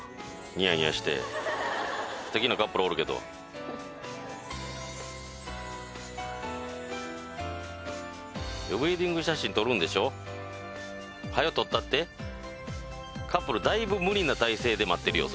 ニヤニヤして素敵なカップルおるけどウェディング写真撮るんでしょ？はよ撮ったってカップルだいぶ無理な体勢で待ってるよ